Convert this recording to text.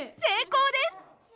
成功です！